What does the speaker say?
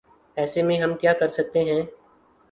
ایسے میں ہم کیا کر سکتے ہیں ۔